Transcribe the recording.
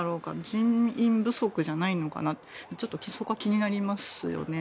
人員不足じゃないのかなとちょっと、そこは気になりますよね。